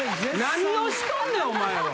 なにをしとんねんお前は。